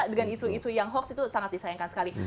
dengan isu isu yang hoax itu sangat disayangkan sekali